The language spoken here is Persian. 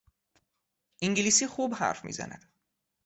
انگلیسی خوب حرف میزند.